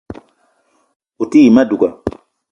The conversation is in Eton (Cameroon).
O te yi ma douga